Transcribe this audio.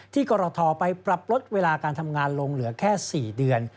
กรทไปปรับลดเวลาการทำงานลงเหลือแค่๔เดือน